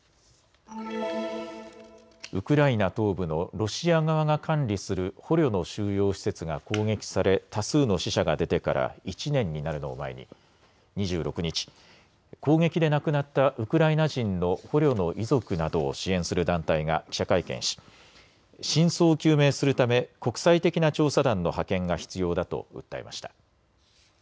ウクライナ東部のロシア側が管理する捕虜の収容施設が攻撃され多数の死者が出てから１年になるのを前に２６日、攻撃で亡くなったウクライナ人の捕虜の遺族などを支援する団体が記者会見し真相を究明するため国際的な調査団の派遣が必要だと訴えました。